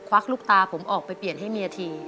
วักลูกตาผมออกไปเปลี่ยนให้เมียที